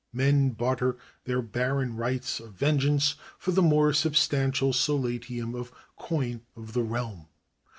Men barter their barren rights of vengeance for the more substantial solatium of coin of the realm.